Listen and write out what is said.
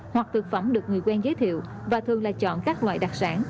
hoặc thực phẩm được người quen giới thiệu và thường là chọn các loại đặc sản